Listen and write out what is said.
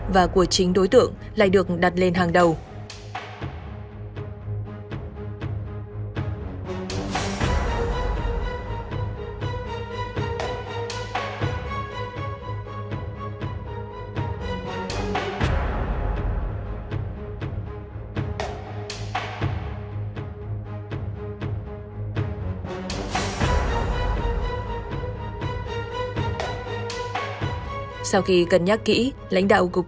và của chính đối tượng lại được đặt lên hàng đầu